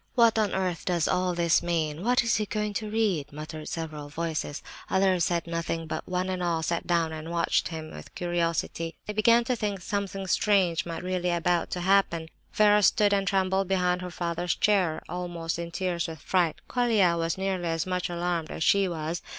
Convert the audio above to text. "What on earth does all this mean? What's he going to read?" muttered several voices. Others said nothing; but one and all sat down and watched with curiosity. They began to think something strange might really be about to happen. Vera stood and trembled behind her father's chair, almost in tears with fright; Colia was nearly as much alarmed as she was.